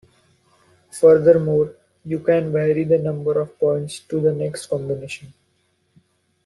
Furthermore, you can vary the number of points to the next combination.